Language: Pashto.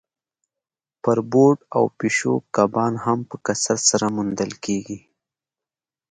بربوټ او پیشو کبان هم په کثرت سره موندل کیږي